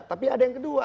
tapi ada yang kedua